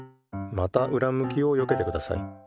またうらむきをよけてください。